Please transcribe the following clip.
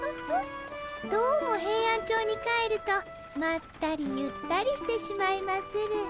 どうもヘイアンチョウに帰るとまったりゆったりしてしまいまする。